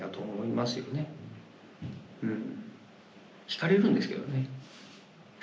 引かれるんですけどね。